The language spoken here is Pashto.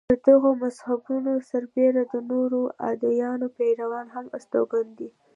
پر دغو مذهبونو سربېره د نورو ادیانو پیروان هم استوګن دي.